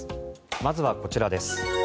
まずはこちらです。